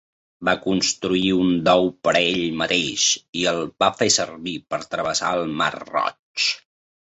Va construir un dhow per a ell mateix i el va fer servir per travessar el mar Roig.